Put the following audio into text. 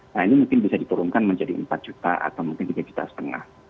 nah ini mungkin bisa diturunkan menjadi empat juta atau mungkin tiga juta setengah